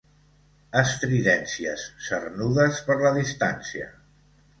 Estridències cernudes per la distància.